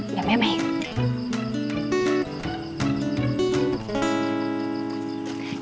เดี๋ยวแม่ไม่เห็น